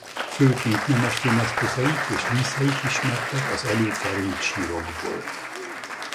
Főként nemesfém eszközeik és díszeik ismertek az előkerült sírokból.